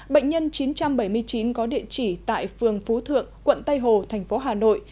bệnh nhân chín trăm bảy mươi chín có địa chỉ tại phường phú thượng quận tây hồ thành phố hà nội